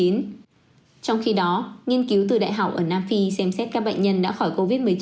trong khi đó nghiên cứu từ đại học ở nam phi xem xét các bệnh nhân đã khỏi covid một mươi chín